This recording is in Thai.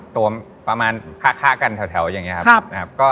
ตัวประมาณค้ากันแถวอย่างนี้ครับ